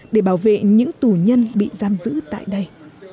để bảo vệ những tù nhân bị giam giữ tại đây